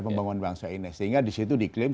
pembangunan bangsa ini sehingga disitu diklaim